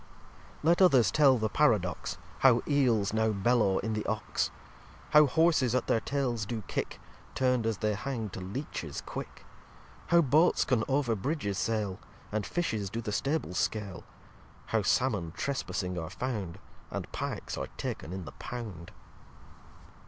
lx Let others tell the Paradox, How Eels now bellow in the Ox; How Horses at their Tails do kick, Turn'd as they hang to Leeches quick; How Boats can over Bridges sail; And Fishes do the Stables scale. How Salmons trespassing are found; And Pikes are taken in the Pound.